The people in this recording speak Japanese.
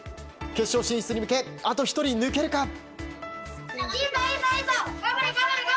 決勝進出に向けあと１人抜けるか。